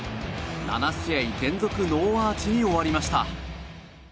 ７試合連続ノーアーチに終わりました。